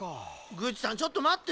グッチさんちょっとまってよ。